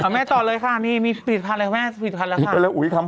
อ่ะแม่ต่อเลยค่ะนี่มีสปีดพันธุ์แล้วค่ะแม่สปีดพันธุ์แล้วค่ะ